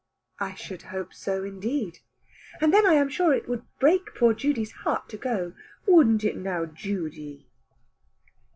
"I should hope so indeed." "And then I am sure it would break poor Judy's heart to go. Wouldn't it now, Judy?"